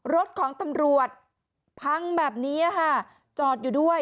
รถของตำรวจพังแบบนี้ค่ะจอดอยู่ด้วย